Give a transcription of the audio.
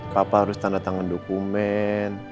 papa harus tanda tangan dokumen